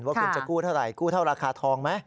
ว่าคุณจะกู้เท่าไหกู้เท่าราคาทองไหม